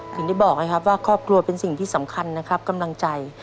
ถึงได้บอกไงครับว่าครอบครัวเป็นสิ่งที่สำคัญนะครับกำลังใจ